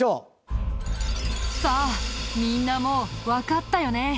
さあみんなもうわかったよね？